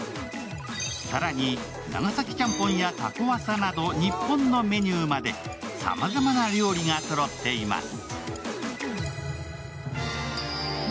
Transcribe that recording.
更に、長崎ちゃんぽんやタコワサなど日本のメニューまでさまざまな料理がそろっています。